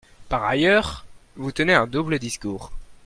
Par ailleurs, vous tenez un double discours.